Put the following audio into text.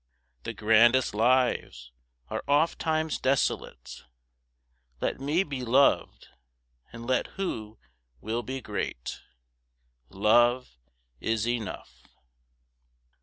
The grandest lives are ofttimes desolate; Let me be loved, and let who will be great. Love is enough.